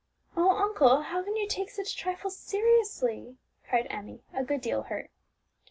"Oh, uncle, how can you take such trifles seriously!" cried Emmie, a good deal hurt.